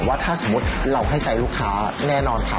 ว่าถ้าสมมุติเราให้ใจลูกค้าแน่นอนค่ะ